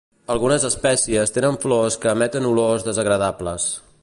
Algunes espècies tenen flors que emeten olors desagradables.